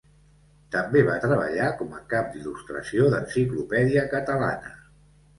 També va treballar com a cap d'il·lustració d'Enciclopèdia Catalana.